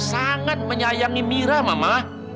sangat menyayangi mira mama